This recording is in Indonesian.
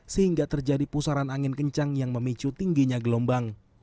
sehingga terjadi pusaran angin kencang yang memicu tingginya gelombang